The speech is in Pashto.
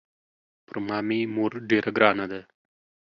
پر ما مې مور ډېره ګرانه ده.